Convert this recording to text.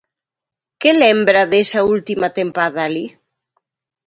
Que lembra desa última tempada alí?